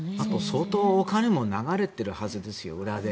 相当、お金も流れているはずですよ、裏で。